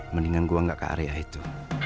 mendingan gue gak ke area itu